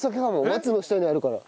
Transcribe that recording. マツの下にあるから。